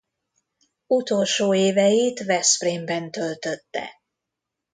Utolsó éveit Veszprémben töltötte.